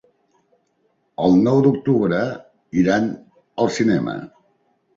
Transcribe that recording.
El nou d'octubre iran al cinema.